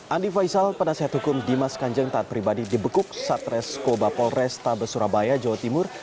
andi faisal penasehat hukum dimas kanjeng taat pribadi dibekuk satreskoba polresta besurabaya jawa timur